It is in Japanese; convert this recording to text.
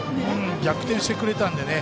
逆転してくれたのでね。